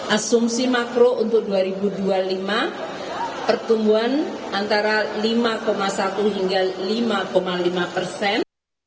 asumsi makro untuk dua ribu dua puluh lima pertumbuhan antara lima satu hingga lima lima persen